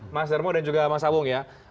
mas jarmu dan juga mas awung ya